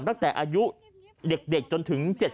ตั้งแต่อายุเด็กจนถึง๗๐